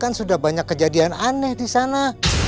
kan sudah banyak kejadian aneh di sana